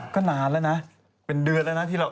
คนใหม่เนี้ย